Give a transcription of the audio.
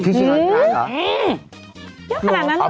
ที่ชิงร้อยได้หรือเหรียดเยอะแน่นอนโดยเหรอ